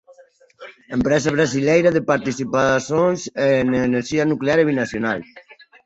Empresa Brasileira de Participações em Energia Nuclear e Binacional